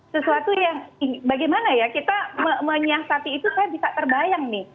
sesuatu yang bagaimana ya kita menyiasati itu saya bisa terbayang nih